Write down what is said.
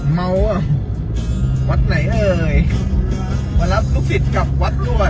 เมาอ่ะวัดไหนเอ่ยมารับลูกศิษย์กลับวัดรวด